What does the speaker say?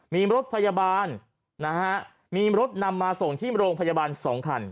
มีมรถนำมาส่งที่โรงพยาบาล๒คัน